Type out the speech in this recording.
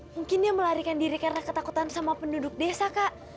mungkin dia melarikan diri karena ketakutan sama penduduk desa kak